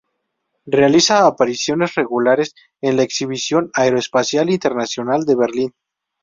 Realiza apariciones regulares en la Exhibición Aeroespacial Internacional de Berlín.